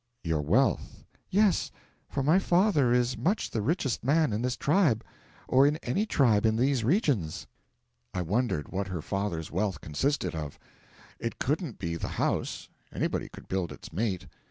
'Your wealth?' 'Yes; for my father is much the richest man in this tribe or in any tribe in these regions.' I wondered what her father's wealth consisted of. It couldn't be the house anybody could build its mate.